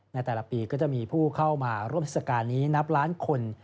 ในแต่ละปีก็จะมีผู้เข้ามาร่วมเทศกาลนี้นับล้านคน